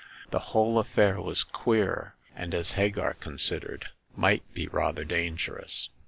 The whole affair was queer, and, as Hagar considered, might be rather dangerous.